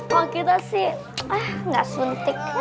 wah kita sih ah nggak suntik